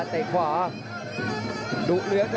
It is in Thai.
ส่วนหน้านั้นอยู่ที่เลด้านะครับ